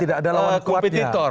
tidak ada kompetitor